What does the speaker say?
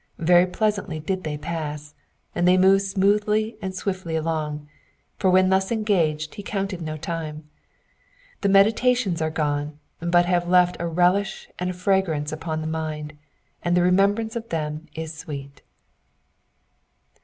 Very pleasantly did they pass, and they moved smoothly and swiftly along ; for when thus engaged, he counted no time. The meditations are gone, but have left a relish and a fragrance upon the mind, and the remembrance of them is sweet."